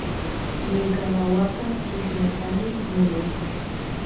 Ñuka wawaka tushunatami munan.